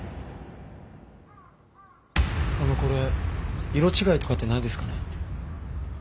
あのこれ色違いとかってないですかね？